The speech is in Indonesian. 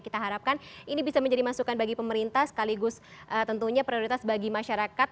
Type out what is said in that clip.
kita harapkan ini bisa menjadi masukan bagi pemerintah sekaligus tentunya prioritas bagi masyarakat